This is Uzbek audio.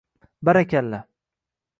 - Barakalla!